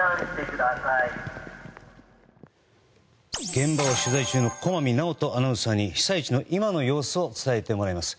現場を取材中の駒見直音アナウンサーに被災地の今の様子を伝えてもらいます。